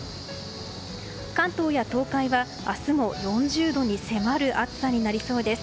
関東や東海は明日も４０度に迫る暑さになりそうです。